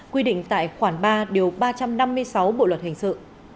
quy định tại khoảng ba ba trăm năm mươi sáu bộ luật hình sự